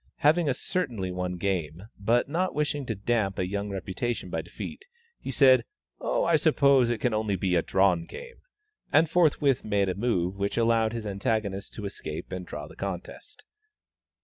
Having a certainly won game, but not wishing to damp a young reputation by defeat, he said, "Oh, I suppose it can only be a drawn game," and forthwith made a move which allowed his antagonist to escape and draw the contest.